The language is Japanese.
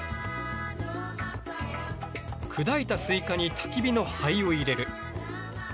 砕いたスイカにたき火の灰を入れる。